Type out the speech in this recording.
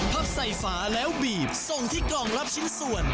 พับใส่ฝาแล้วบีบส่งที่กล่องรับชิ้นส่วน